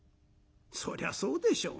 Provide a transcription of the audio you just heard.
そりゃそうでしょ。